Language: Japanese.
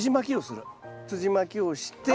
すじまきをして。